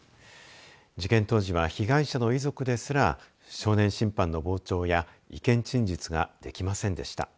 事件当時は被害者の遺族ですら少年審判の傍聴や意見陳述ができませんでした。